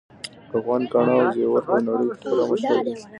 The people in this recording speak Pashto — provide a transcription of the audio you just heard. افغان ګاڼه او زیور په نړۍ کې خورا مشهور دي